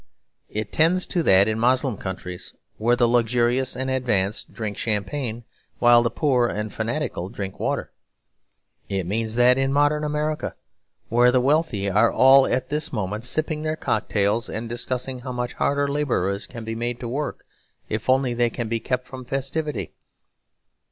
It tends to that in Moslem countries; where the luxurious and advanced drink champagne, while the poor and fanatical drink water. It means that in modern America; where the wealthy are all at this moment sipping their cocktails, and discussing how much harder labourers can be made to work if only they can be kept from festivity.